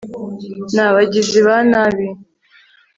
ni abagizi ba nabi